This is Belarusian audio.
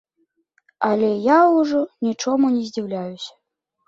Але я ўжо нічому не здзіўляюся.